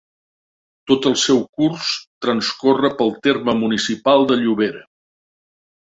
Tot el seu curs transcorre pel terme municipal de Llobera.